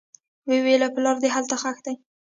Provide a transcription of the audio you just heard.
ويې ويل پلار دې هلته ښخ دى.